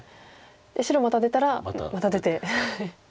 白また出たらまた出て。